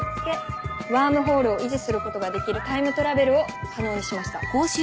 ワームホールを維持することができるタイムトラベルを可能にしました。